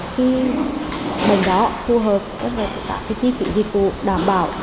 khi bệnh đó phù hợp với các chi phí dịch vụ đảm bảo